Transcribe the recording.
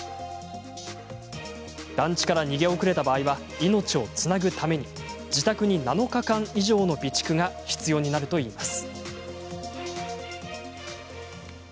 団地から逃げ遅れた場合は命をつなぐために自宅に７日間以上の備蓄が必要になるといいます。